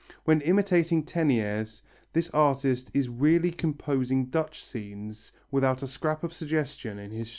When imitating Teniers this artist is really composing Dutch scenes without a scrap of suggestion in his studio.